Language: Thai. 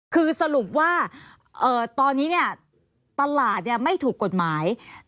คือสรุปว่าตอนนี้เนี่ยตลาดไม่ถูกกฎหมาย